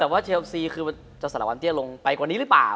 แต่ว่าเชลซีคือจะสารวัตเตี้ยลงไปกว่านี้หรือเปล่า